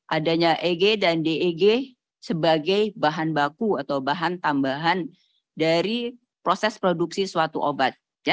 adanya eg dan deg sebagai bahan baku atau bahan tambahan dari proses produksi suatu obat